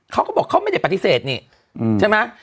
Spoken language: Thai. เขาก็บอกเขาไม่ได้ปฏิเสธนี่ใช่ไหม